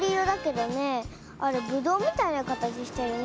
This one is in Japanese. あれぶどうみたいなかたちしてるね。